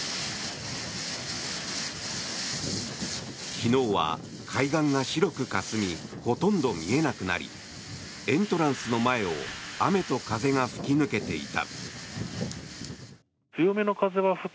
昨日は海岸が白くかすみほとんど見えなくなりエントランスの前を雨と風が吹き抜けていた。